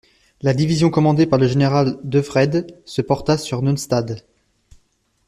La division commandée par le général de Wrede se porta sur Neustadt.